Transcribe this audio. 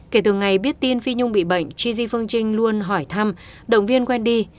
kể từ ngày biết tin phi nhung bị bệnh chizy phương trinh luôn hỏi thăm đồng viên wendy